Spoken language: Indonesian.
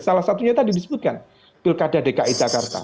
salah satunya tadi disebutkan pilkada dki jakarta